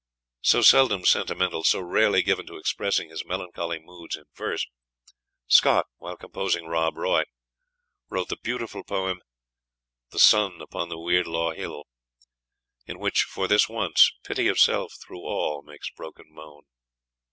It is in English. So seldom sentimental, so rarely given to expressing his melancholy moods in verse, Scott, while composing "Rob Roy," wrote the beautiful poem "The sun upon the Weirdlaw Hill," in which, for this once, "pity of self through all makes broken moan."